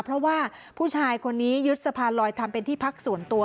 เพราะว่าผู้ชายคนนี้ยึดสะพานลอยทำเป็นที่พักส่วนตัว